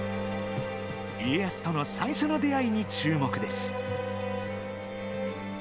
家康との最初の出会いに注目です！